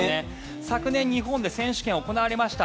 昨年、日本で選手権が行われました。